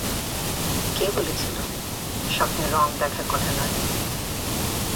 কে বলেছিল, স্বপ্নে রঙ দেখার কথা নয়?